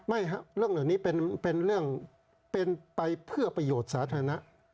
ไม่ครับเรื่องเหล่านี้เป็นเรื่องเป็นไปเพื่อประโยชน์สาธารณะ